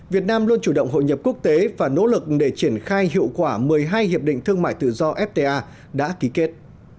việt nam luôn chủ động hội nhập quốc tế và nỗ lực để triển khai hiệu quả một mươi hai hiệp định thương mại tự do fta đã ký kết